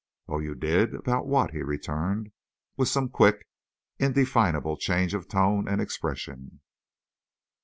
"Oh, you did! About what?" he returned, with some quick, indefinable change of tone and expression.